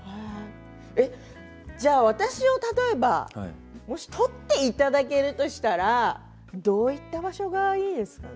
じゃあ私を例えば撮っていただけるとしたらどういった場所がいいですかね。